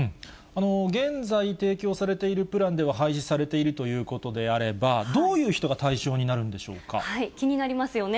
現在提供されているプランでは廃止されているということであれば、どういう人が対象になるん気になりますよね。